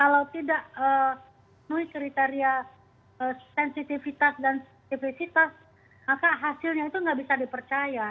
kalau tidak memenuhi kriteria sensitivitas dan aktivitas maka hasilnya itu tidak bisa dipercaya